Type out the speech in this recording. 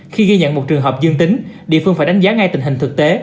khi ghi nhận một trường hợp dương tính địa phương phải đánh giá ngay tình hình thực tế